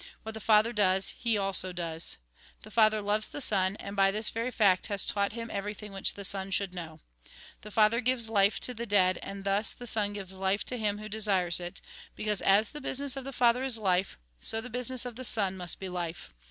What the Father does, he also does. The Father loves the Son, and by this very fact has taught him everything which the Son should know. " The Father gives life to the dead, and thus the 64 THE GOSPEL IN BRIEF Son gives life to him who desires it; because, as the business of the Father is life, so the business of the Son must be life.